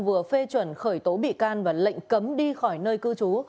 vừa phê chuẩn khởi tố bị can và lệnh cấm đi khỏi nơi cư trú